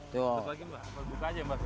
terus lagi mbah dibuka aja mbah